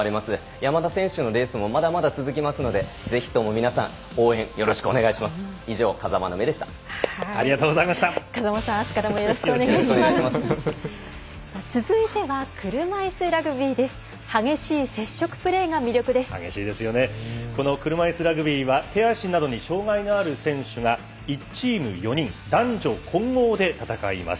山田選手のレースもまだまだ続きますのでぜひとも皆さん応援よろしくお願いします。